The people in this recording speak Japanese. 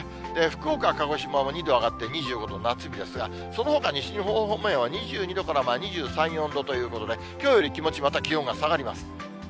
福岡、鹿児島も２度上がって２５度、夏日ですが、そのほか、西日本方面は２２度からまあ２３、４度ということで、きょうより気持ち、また気温が下がります。